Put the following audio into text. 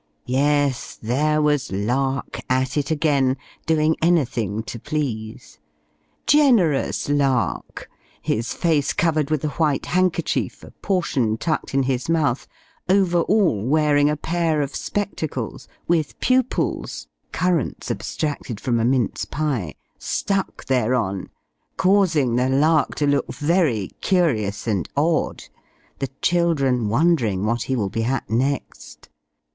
Yes! there was Lark, at it again doing anything to please! Generous Lark! his face covered with a white handkerchief, a portion tucked in his mouth, over all wearing a pair of spectacles, with pupils (currants abstracted from a mince pie) stuck thereon, causing the Lark to look very curious and odd the children wondering what he will be at next!